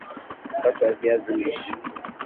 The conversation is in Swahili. mkate wa viazi lishe